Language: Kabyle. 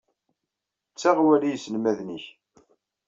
Ttaɣ awal i yiselmaden-nnek.